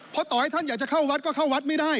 เพราะต่อให้ท่านอยากจะเข้าวัดก็เข้าวัดไม่ได้